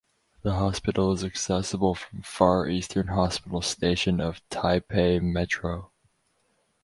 The hospital is accessible from Far Eastern Hospital Station of Taipei Metro.